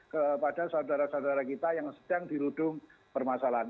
kepada saudara saudara kita yang sedang dirudung permasalahan